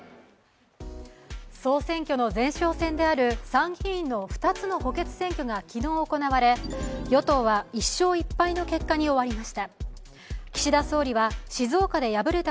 総選挙の前哨戦である参議院の２つの補欠選挙が昨日行われ、与党は１勝１敗の結果に終わりました。